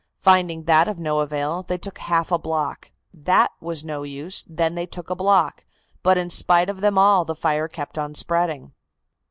Finding that of no avail, they took half a block; that was no use; then they took a block; but in spite of them all the fire kept on spreading.